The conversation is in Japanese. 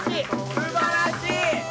すばらしい！